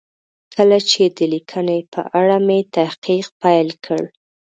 کله چې د لیکنې په اړه مې تحقیق پیل کړ.